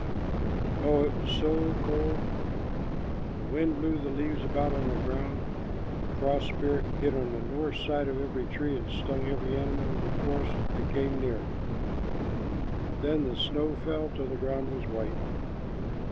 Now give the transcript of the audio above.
Oh, it was so cold! The wind blew the leaves about on the ground. The frost spirit hid on the north side of every tree, and stung every animal of the forest that came near. Then the snow fell till the ground was white.